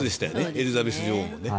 エリザベス女王もね。